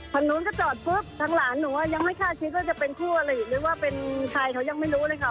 ทางนู้นก็จอดปุ๊บทางหลานหนูยังไม่คาดคิดว่าจะเป็นคู่อลิหรือว่าเป็นใครเขายังไม่รู้เลยค่ะ